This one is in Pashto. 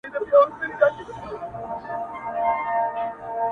ته خپل قاتل ته ګرېوان څنګه څیرې؟٫